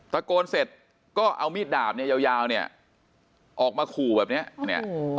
ตะโกนเสร็จก็เอามีดดาบเนี่ยยาวเนี่ยออกมาขู่แบบนี้เนี่ย